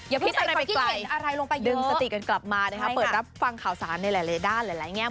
อย่าเพิ่งใส่อะไรไปไกลเดินสติกันกลับมานะครับเปิดรับฟังข่าวสารในหลายด้านหลายแง่